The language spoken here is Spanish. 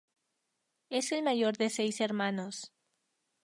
Es el mayor de seis hermanos.